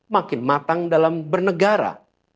makin matang dalam bernegara